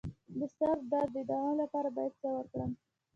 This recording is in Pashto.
د سر درد د دوام لپاره باید څه وکړم؟